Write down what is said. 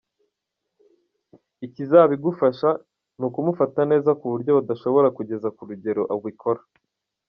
Ikizabigufasha ni ukumufata neza kuburyo badashobora kugeza kurugero ubikora.